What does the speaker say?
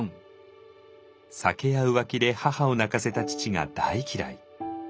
酒や浮気で母を泣かせた父が大嫌い。